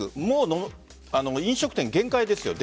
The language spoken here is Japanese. もう飲食店、限界です。